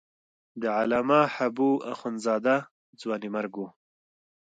د علامه حبو اخند زاده ځوانیمرګ و.